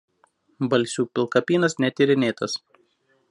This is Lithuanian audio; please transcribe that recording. Balsių pilkapynas netyrinėtas.